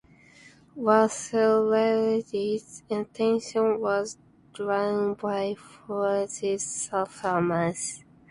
Rasulzades attention was drawn by Firdousis "Shahnameh".